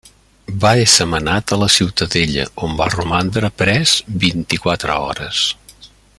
Va esser menat a la Ciutadella, on va romandre pres vint-i-quatre hores.